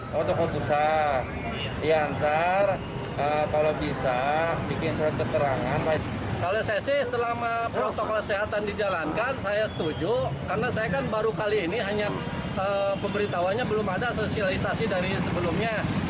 kalau saya sih selama protokol kesehatan dijalankan saya setuju karena saya kan baru kali ini hanya pemberitahuan belum ada sosialisasi dari sebelumnya